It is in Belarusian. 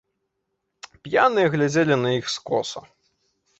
П'яныя глядзелі на іх скоса.